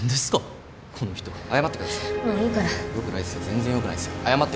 全然よくないっすよ。